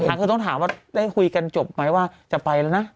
คือต้องถามว่าได้คุยกันจบไหมว่าจะไปแล้วนะ